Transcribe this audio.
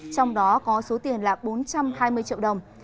trong đó có số tiền là bốn trăm hai mươi triệu đồng